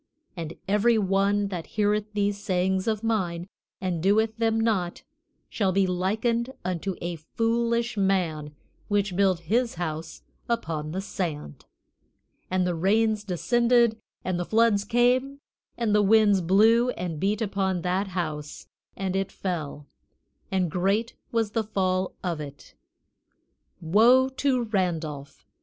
And every one that heareth these sayings of mine, and doeth them not, shall be likened unto a foolish man which built his house upon the sand; and the rains descended, and the floods came, and the winds blew and beat upon that house and it fell, and great was the fall of it." Woe to Randolph!